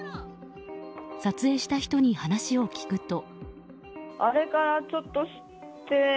撮影した人に話を聞くと。